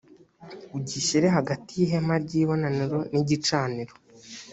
ugishyire hagati y’ihema ry’ibonaniro n’igicaniro